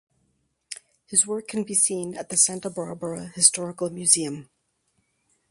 His work can be seen at the Santa Barbara Historical Museum.